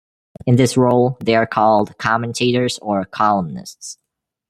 In this role, they are called commentators or columnists.